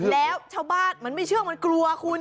แล้วชาวบ้านมันกลัวคุณ